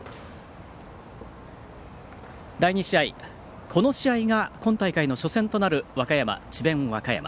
第２試合この試合が今大会の初戦となる和歌山・智弁和歌山。